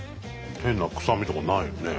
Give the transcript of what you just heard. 変な臭みとかないよね。